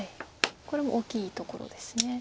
これも大きいところです。